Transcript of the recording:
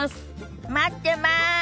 待ってます！